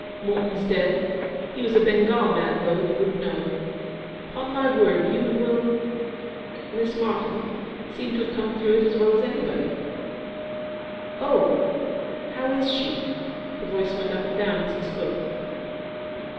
Morten's dead he was a Bengal man, though; you wouldn't know him. 'Pon my word, you and Will Miss Martyn seem to have come through it as well as anybody.' 'Oh, how is she?' The voice went up and down as he spoke.